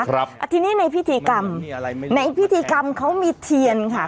ครับอ่าทีนี้ในพิธีกรรมอะไรไหมในพิธีกรรมเขามีเทียนค่ะ